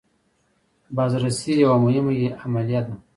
بازرسي یوه مهمه عملیه ده.